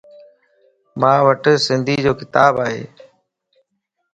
مان وٽ سنڌيءَ جو ڪتاب ائي.